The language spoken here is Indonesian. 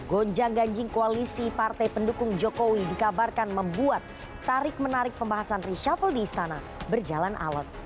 gonjang ganjing koalisi partai pendukung jokowi dikabarkan membuat tarik menarik pembahasan reshuffle di istana berjalan alat